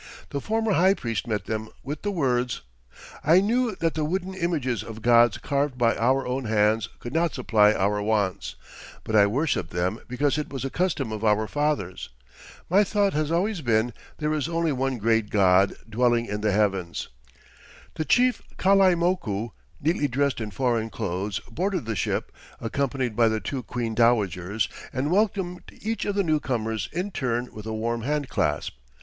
The former high priest met them with the words, "I knew that the wooden images of gods carved by our own hands could not supply our wants, but I worshiped them because it was a custom of our fathers.... My thought has always been, there is only one great God, dwelling in the heavens." The chief Kalaimoku, neatly dressed in foreign clothes, boarded the ship, accompanied by the two queen dowagers, and welcomed each of the newcomers in turn with a warm hand clasp.